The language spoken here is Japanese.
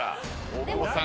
大久保さん